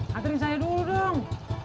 kang anterin saya dulu dong